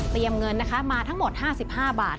เตรียมเงินนะคะมาทั้งหมด๕๕บาท